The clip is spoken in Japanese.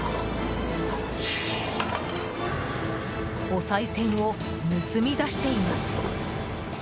おさい銭を盗み出しています！